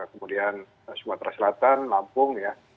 kemudian sumatera selatan lampung